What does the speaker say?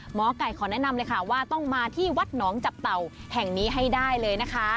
หมอไก่ขอแนะนำเลยค่ะว่าต้องมาที่วัดหนองจับเต่าแห่งนี้ให้ได้เลยนะคะ